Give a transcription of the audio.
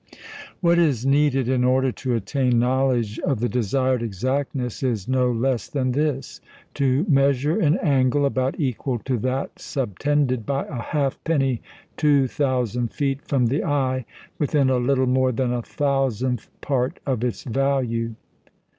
What is needed in order to attain knowledge of the desired exactness is no less than this: to measure an angle about equal to that subtended by a halfpenny 2,000 feet from the eye, within a little more than a thousandth part of its value.